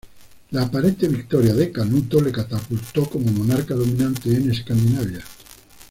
La aparente victoria de Canuto le catapultó como monarca dominante en Escandinavia.